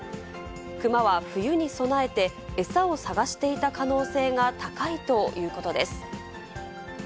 クマは冬に備えて、餌を探していた可能性が高いということです。